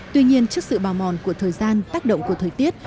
tuy nhiên trước sự bào mòn của thời gian tác động của thời tiết